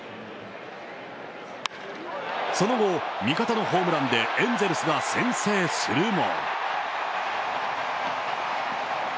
その後、味方のホームランでエンゼルスが先制するも。